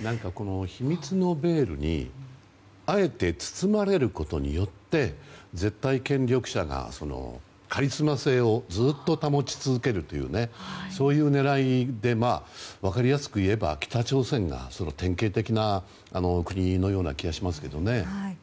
秘密のベールにあえて包まれることによって絶対権力者がカリスマ性をずっと保ち続けるというそういう狙いで分かりやすくいえば北朝鮮が典型的な国のような気がしますよね。